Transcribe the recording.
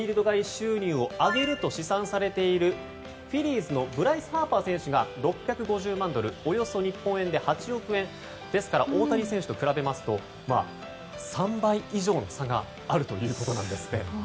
外収入を挙げると試算されるフィリーズのブライス・ハーパー選手が６５０万ドルおよそ日本円で８億円大谷選手と比べますと３倍以上の差があるということなんです。